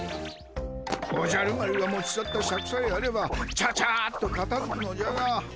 おじゃる丸が持ち去ったシャクさえあればチャチャッとかたづくのじゃが。